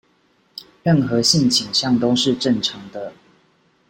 任何性傾向都是正常的